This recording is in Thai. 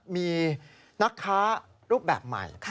มีนักค้ารูปแบบใหม่